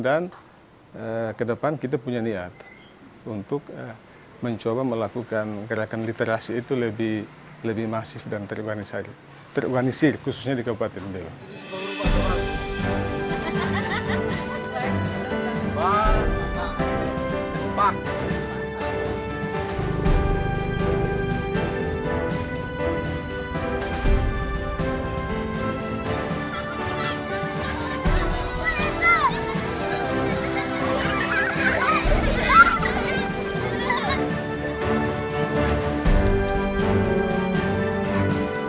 dan ke depan kita punya niat untuk mencoba melakukan gerakan literasi itu lebih masif dan terorganisir khususnya di kabupaten belu